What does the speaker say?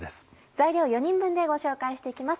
材料４人分でご紹介していきます